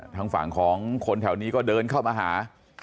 ทางฝั่งของคนแถวนี้ก็เดินเข้ามาหา